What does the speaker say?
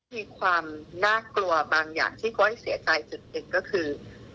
มีความน่ากลัวบางอย่างที่ก้อยเสียใจจุดหนึ่งก็คือ